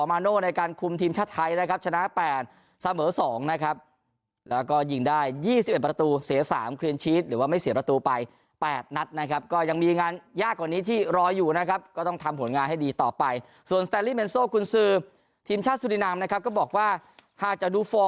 มาโน่ในการคุมทีมชาติไทยนะครับชนะ๘เสมอ๒นะครับแล้วก็